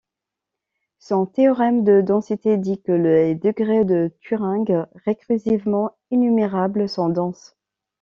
Son théorème de densité dit que les degrés de Turing récursivement énumérables sont denses.